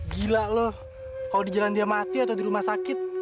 gila loh kalau di jalan dia mati atau di rumah sakit